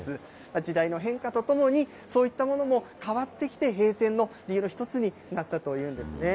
時代の変化とともに、そういったものも変わってきて、閉店の理由の１つになったということなんですね。